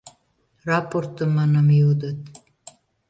Рапортым, манам, йодыт.